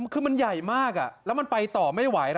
คือมันใหญ่มากแล้วมันไปต่อไม่ไหวนะ